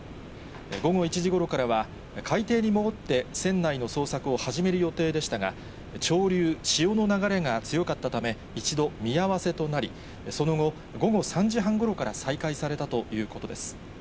午後１時ごろからは、海底に潜って船内の捜索を始める予定でしたが、潮流、潮の流れが強かったため、一度、見合わせとなり、その後、午後３時半ごろから再開されたということです。